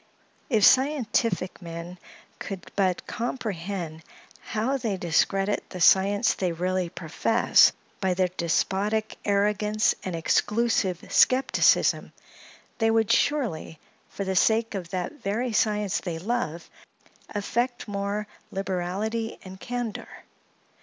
If scientific men could but comprehend how they discredit the science they really profess, by their despotic arrogance and exclusive skepticism, they would surely, for the sake of that very science they love, affect more liberality and candor.